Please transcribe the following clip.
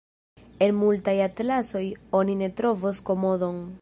En multaj atlasoj oni ne trovos Komodon.